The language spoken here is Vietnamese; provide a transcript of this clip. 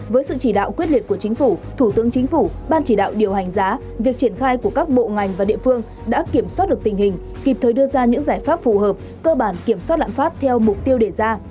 với sự chỉ đạo quyết liệt của chính phủ thủ tướng chính phủ ban chỉ đạo điều hành giá việc triển khai của các bộ ngành và địa phương đã kiểm soát được tình hình kịp thời đưa ra những giải pháp phù hợp cơ bản kiểm soát lạm phát theo mục tiêu đề ra